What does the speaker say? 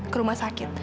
ke rumah sakit